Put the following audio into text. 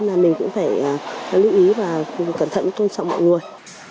là mình cũng phải lưu ý và cẩn thận tôn trọng mọi người